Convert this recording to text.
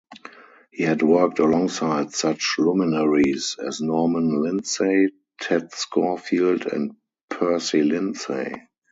He had worked alongside such luminaries as Norman Lindsay, Ted Scorfield and Percy Lindsay.